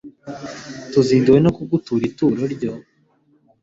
tuzinduwe no kugutura ituro ryo